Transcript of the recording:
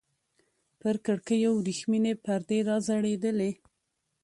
پر کړکيو ورېښمينې پردې راځړېدلې.